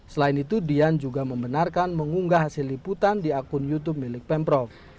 selain itu dian juga membenarkan mengunggah hasil liputan di akun youtube milik pemprov